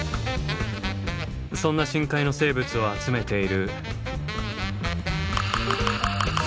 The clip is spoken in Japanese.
そんな深海の生物を集めている。